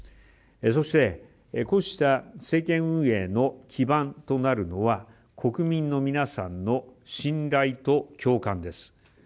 そして、こうした政権運営の基盤となるのは国民の皆さんの信頼と共感です。